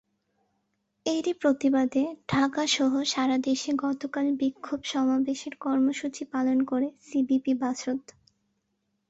এরই প্রতিবাদে ঢাকাসহ সারা দেশে গতকাল বিক্ষোভ সমাবেশের কর্মসূচি পালন করে সিপিবি-বাসদ।